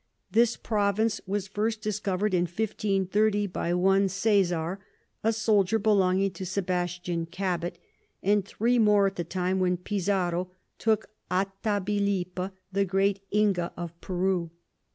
This Province was first discover'd in 1530. by one Cæsar a Soldier belonging to Sebastian Cabot, and three more, at the time when Pizarro took Atabalipa the Great Inga of Peru.